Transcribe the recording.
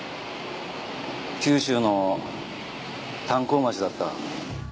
九州の炭鉱町だった。